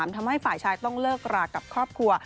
ทำให้ฝ่ายชายต้องเลิกรากับครอบครัว